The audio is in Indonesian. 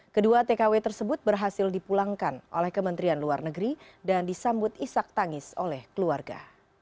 kedua tkw tersebut berhasil dipulangkan oleh kementerian luar negeri dan disambut isak tangis oleh keluarga